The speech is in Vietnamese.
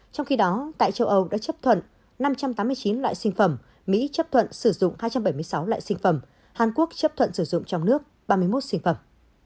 trong khi đó tại châu âu đã chấp thuận năm trăm tám mươi chín loại sinh phẩm mỹ chấp thuận sử dụng hai trăm bảy mươi sáu loại sinh phẩm hàn quốc chấp thuận sử dụng trong nước ba mươi một sinh phẩm